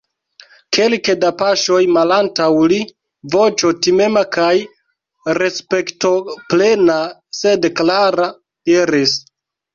Kelke da paŝoj malantaŭ li voĉo timema kaj respektoplena, sed klara, diris: